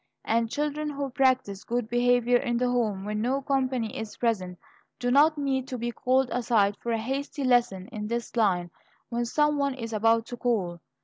And children who practise good behavior in the home when no company is present, do not need to be called aside for a hasty lesson in this line when some one is about to call.